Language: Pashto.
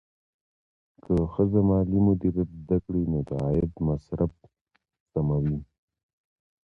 که ښځه مالي مدیریت زده کړي، نو د عاید مصرف سموي.